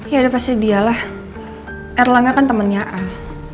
ya pasti dialah erlangga kan temennya ah